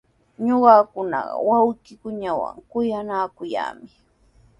Ñuqakuna wawqiikunawan kuyanakuyaami.